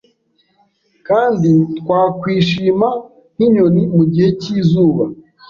Kandi twakwishima nkinyoni mugihe cyizuba